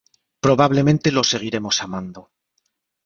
Probablemente lo seguiremos amando".